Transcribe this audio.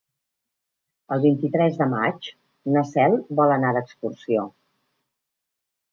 El vint-i-tres de maig na Cel vol anar d'excursió.